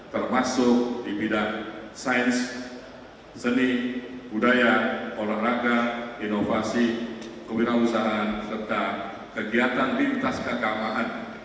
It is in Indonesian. termasuk di bidang sains seni budaya olahraga inovasi kewirausahaan serta kegiatan di utas kegawaan